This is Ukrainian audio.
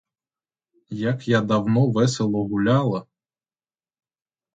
Як я давно весело гуляла!